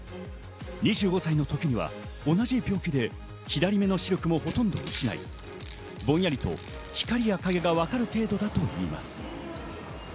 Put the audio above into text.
２５歳の時には同じ病気で左目の視力もほとんど失い、ぼんやりと光や影がわかる程度だといいます。